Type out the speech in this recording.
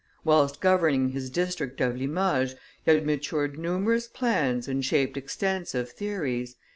Whilst governing his district of Limoges, he had matured numerous plans and shaped extensive theories.